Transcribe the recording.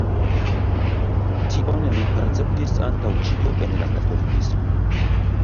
Tion li perceptis antaŭ ĉio en la katolikismo.